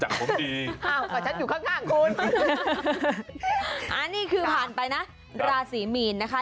ช่วยด้วยด้วยอันนี้คือผ่านไปนะราศรีหมีนนะคะ